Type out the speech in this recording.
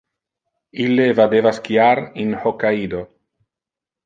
Ille vadeva skiar in Hokkaido.